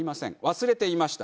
忘れていました。